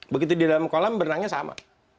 begitu di dalam kolam berenangnya sama